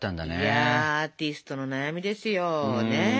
アーティストの悩みですよ。